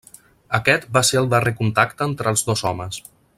Aquest va ser el darrer contacte entre els dos homes.